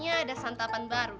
kayaknya ada santapan baru deh